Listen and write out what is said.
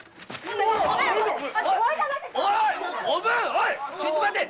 おぶんちょっと待て！